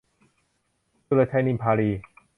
สุรนัย ฉิมพาลี